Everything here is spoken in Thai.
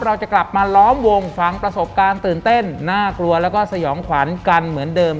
เราจะกลับมาล้อมวงฟังประสบการณ์ตื่นเต้นน่ากลัวแล้วก็สยองขวัญกันเหมือนเดิม